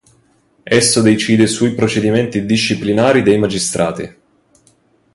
Esso decide sui procedimenti disciplinari dei magistrati.